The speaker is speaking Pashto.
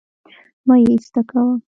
مه يې ايسته کوه